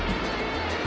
jangan makan aku